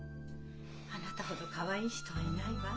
あなたほどかわいい人はいないわ。